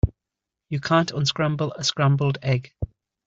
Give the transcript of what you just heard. You can't unscramble a scrambled egg.